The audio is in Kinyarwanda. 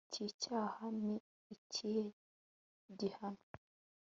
iki cyaha ni ikihe gihano